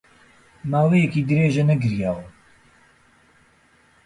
ماوەیەکی درێژە نەگریاوم.